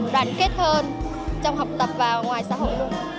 đoàn kết hơn trong học tập và ngoài xã hội